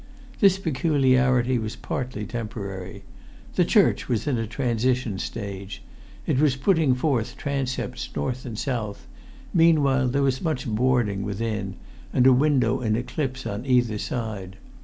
This peculiarity was partly temporary. The church was in a transition stage; it was putting forth transepts north and south; meanwhile there was much boarding with[Pg 5]in, and a window in eclipse on either side.